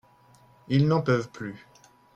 Ils n’en peuvent plus.